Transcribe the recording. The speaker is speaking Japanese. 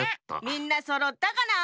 みんなそろったかな？